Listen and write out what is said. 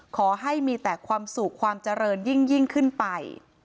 ขอให้มีแต่ความสุขความเจริญยิ่งขึ้นไป